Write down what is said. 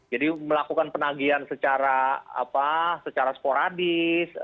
jadi melakukan penagihan secara sporadis